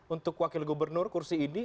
untuk wakil gubernur kursi ini